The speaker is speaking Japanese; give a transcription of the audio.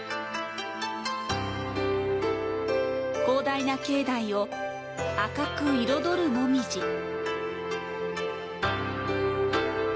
広大な境内を赤く彩るモミジ。